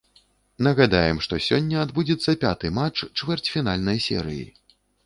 Нагадаем, што сёння адбудзецца пяты матч чвэрцьфінальнай серыі.